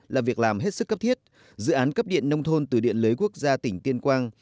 là việc làm hết sức cấp thiết dự án cấp điện nông thôn từ điện lưới quốc gia tỉnh tuyên quang